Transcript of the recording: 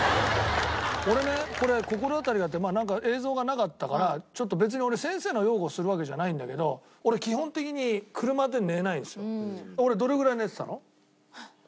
俺ねこれ心当たりがあってなんか映像がなかったからちょっと別に俺先生の擁護をするわけじゃないんだけど俺俺どれぐらい寝てたの？